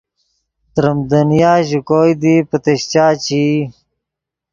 تریم دنیا ژے کوئے دی پتیشچا چے ای